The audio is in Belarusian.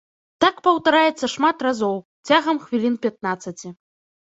Так паўтараецца шмат разоў, цягам хвілін пятнаццаці.